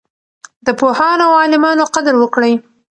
د پوهانو او عالمانو قدر وکړئ.